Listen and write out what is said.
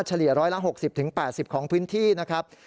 เลีย๑๖๐๘๐ของพื้นที่นะครับ